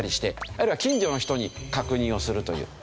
あるいは近所の人に確認をするという。